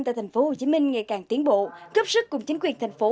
tại thành phố hồ chí minh ngày càng tiến bộ cấp sức cùng chính quyền thành phố